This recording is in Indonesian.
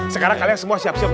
sekarang kalian semua siap siap